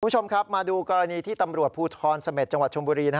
คุณผู้ชมครับมาดูกรณีที่ตำรวจภูทรเสม็จจังหวัดชมบุรี